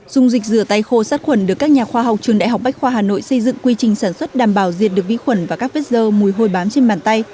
dung dịch rửa tay khô sát khuẩn được các nhà khoa học trường đại học bách khoa hà nội xây dựng quy trình sản xuất đảm bảo diệt được vĩ khuẩn và các vết dơ mùi hôi bám trên bàn tay